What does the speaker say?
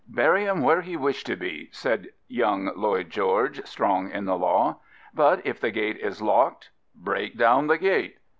" Bury him where he wished to be," said young Lloyd George, strong in the law. "But if the gate is locked?" " Break down the gate."